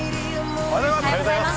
おはようございます。